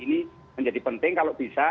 ini menjadi penting kalau bisa